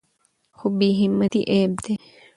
خو بې همتي عیب دی.